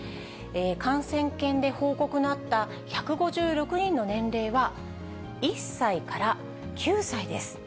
感染研で報告のあった１５６人の年齢は、１歳から９歳です。